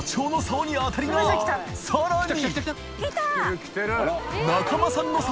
さらに）